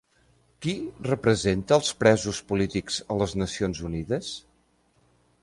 Qui representa els presos polítics a les Nacions Unides?